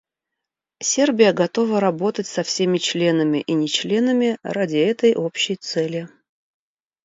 Сербия готова работать со всеми членами и нечленами ради этой общей цели.